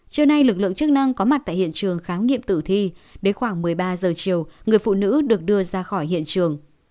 trưa nay lực lượng chức năng có mặt tại hiện trường khám nghiệm tử thi đến khoảng một mươi ba giờ chiều người phụ nữ được đưa ra khỏi hiện trường